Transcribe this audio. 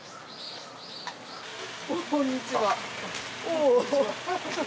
こんにちは。